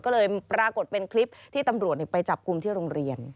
ก็เลยปรากฏเป็นคลิปที่ตำรวจไปจับกลุ่มที่โรงเรียน